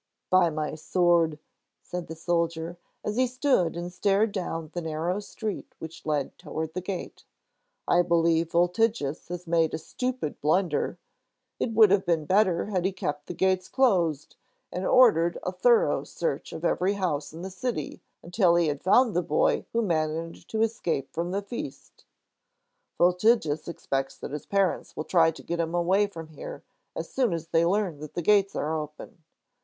"By my sword!" said the soldier, as he stood and stared down the narrow street which led toward the gate, "I believe Voltigius has made a stupid blunder. It would have been better had he kept the gates closed and ordered a thorough search of every house in the city, until he had found the boy who managed to escape from the feast. Voltigius expects that his parents will try to get him away from here as soon as they learn that the gates are open.